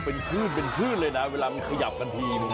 โอ้โหเป็นคื่นเลยนะเวลามันขยับกันที